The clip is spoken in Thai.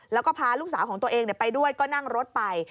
แล้วก็พาลูกสาวของตัวเองไปด้วยก็นั่งรถไป